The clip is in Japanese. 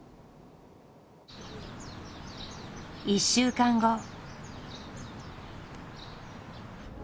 １週間後。